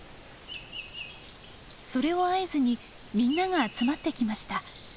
それを合図にみんなが集まってきました。